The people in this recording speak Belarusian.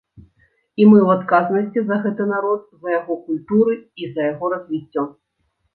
І мы ў адказнасці за гэты народ, за яго культуры і за яго развіццё.